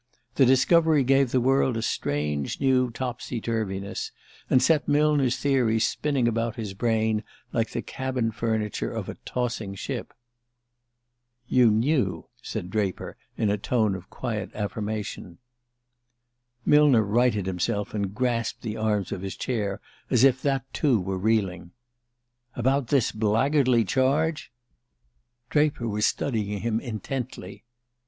This discovery gave the world a strange new topsy turvyness, and set Millner's theories spinning about his brain like the cabin furniture of a tossing ship. "You knew," said Draper, in a tone of quiet affirmation. Millner righted himself, and grasped the arms of his chair as if that too were reeling. "About this blackguardly charge?" Draper was studying him intently.